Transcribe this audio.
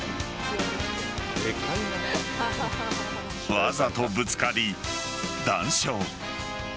わざとぶつかり、談笑。